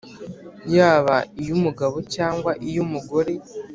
yaba iy’umugabo cyangwa iy’umugore,